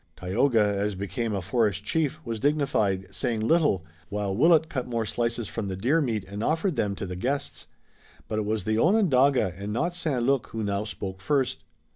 Tayoga, as became a forest chief, was dignified, saying little, while Willet cut more slices from the deer meat and offered them to the guests. But it was the Onondaga and not St. Luc who now spoke first.